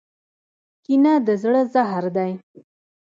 کینه د زړه زهر دی.